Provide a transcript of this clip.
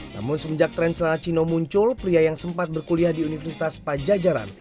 namun semenjak tren celana cino muncul pria yang sempat berkuliah di universitas pajajaran